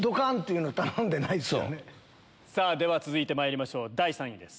では続いてまいりましょう第３位です。